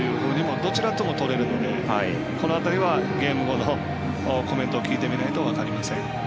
どちらにもとれるのでこの辺りはゲーム後のコメントを聞いてみないと分かりません。